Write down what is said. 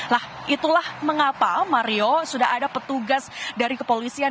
nah itulah mengapa mario sudah ada petugas dari kepolisian